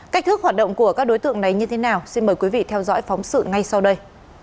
cách thức hoạt động của các đối tượng này như thế nào xin mời quý vị theo dõi phóng sự ngay sau đây